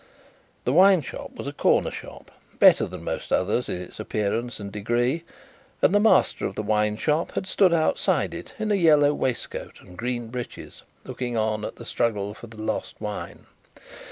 The wine shop was a corner shop, better than most others in its appearance and degree, and the master of the wine shop had stood outside it, in a yellow waistcoat and green breeches, looking on at the struggle for the lost wine.